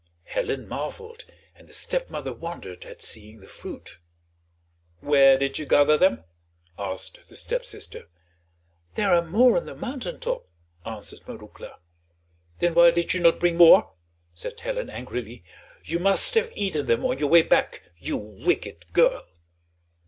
Helen marveled and the stepmother wondered at seeing the fruit. "Where did you gather them?" asked the stepsister. "There are more on the mountain top," answered Marouckla. "Then why did you not bring more?" said Helen angrily; "you must have eaten them on your way back, you wicked girl."